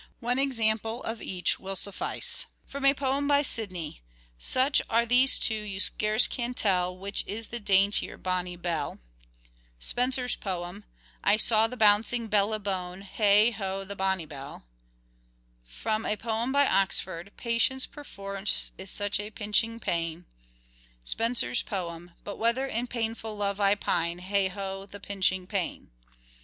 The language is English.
One example of each will suffice. From a poem by Sidney :" Such are these two, you scarce can tell Which is the dainter bonny belle." MANHOOD OF DE VERE : MIDDLE PERIOD 345 Spenser's poem :—" I saw the bouncing bellibone Hey, ho, the bonnibell." From a poem by Oxford :—" Patience perforce is such a pinching pain." Spenser's poem :—" But whether in painful love I pine Hey, ho, the pinching pain."